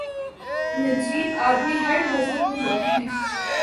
نجیب آدمی ہر مذہب میں ہوتے ہیں۔